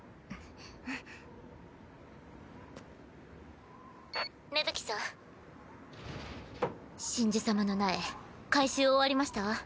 ピッ芽吹さん神樹様の苗回収終わりましたわ。